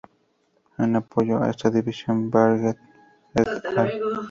En apoyo a esta división Badger "et al.